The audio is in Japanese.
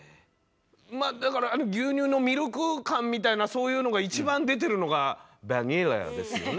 まあだから牛乳のミルク感みたいなそういうのが一番出てるのがヴァニラですよね。